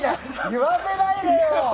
言わせないでよ。